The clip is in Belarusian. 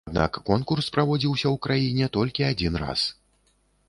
Аднак конкурс праводзіўся ў краіне толькі адзін раз.